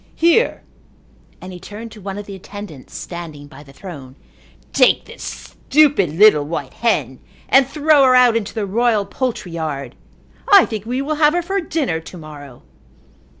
"Here," and he turned to one of the attendants standing by the throne, "take this stupid, little white hen and throw her out into the royal poultry yard. I think we will have her for dinner to morrow."